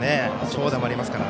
長打もありますから。